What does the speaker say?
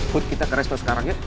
put kita ke respon sekarang ya